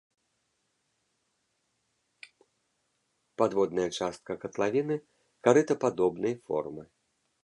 Падводная частка катлавіны карытападобнай формы.